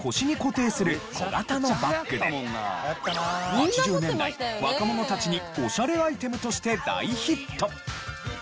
８０年代若者たちにオシャレアイテムとして大ヒット。